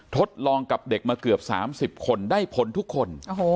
ทดลองกับเด็กมาเกือบ๓๐คนได้ผลทุกคน